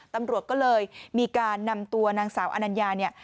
ตำรวจก็เลยมีการนำตัวนางสาวอนัญญาเนี่ย